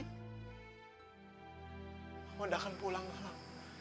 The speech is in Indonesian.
kau sudah pulang alam